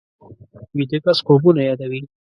ویده کس خوبونه یادوي